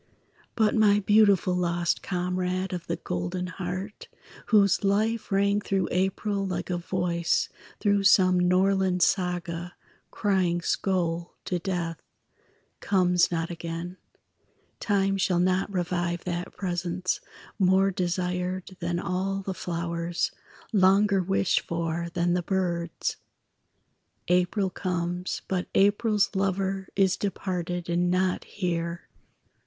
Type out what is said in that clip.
But my beautiful lost comrade Of the golden heart, whose life Rang through April like a voice Through some Norland saga, crying Skoal to death, comes not again; Time shall not revive that presence More desired than all the flowers, Longer wished for than the birds. April comes, but April's lover Is departed and not here.